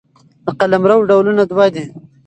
د قلمرو ډولونه دوه دي.